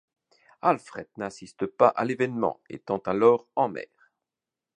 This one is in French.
Alfred n'assiste pas à l'événement, étant alors en mer.